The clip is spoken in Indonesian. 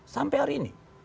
sampai hari ini